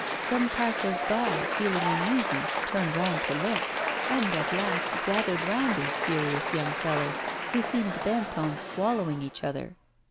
Some passers by, feeling uneasy, turned round to look, and at last gathered round these furious young fellows, who seemed bent on swallowing each other.